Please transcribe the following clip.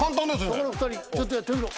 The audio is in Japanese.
そこの２人ちょっとやってみろ。